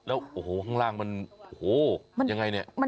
แล้วห้างล่างมันยังไง